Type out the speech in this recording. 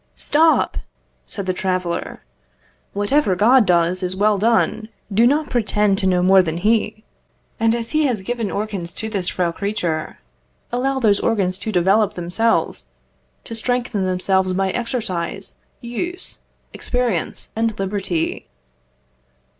"Stop!" said the traveller. "Whatever God does, is well done; do not pretend to know more than He; and as He has given organs to this frail creature, allow those organs to develop themselves, to strengthen themselves by exercise, use, experience, and liberty."